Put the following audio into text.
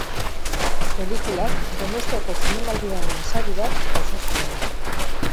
Pelikulak Donostiako Zinemaldiaren sari bat jaso zuen.